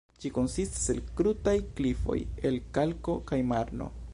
Ĝi konsistas el krutaj klifoj el kalko kaj marno.